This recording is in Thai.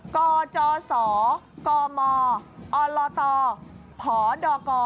กจมรตพรก